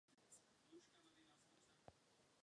Loď a kněžiště mají valenou klenbu.